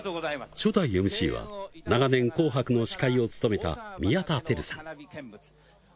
初代ＭＣは長年「紅白」の司会を務めた宮田輝さん。